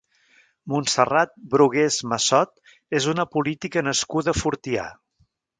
Montserrat Brugués Massot és una politica nascuda a Fortià.